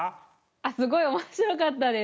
すごい面白かったです。